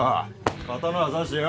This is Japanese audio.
刀ぁ差してよ